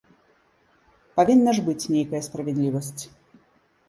Павінна ж быць нейкая справядлівасць.